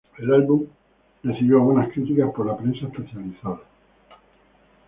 El álbum recibió buenas críticas por la prensa especializada.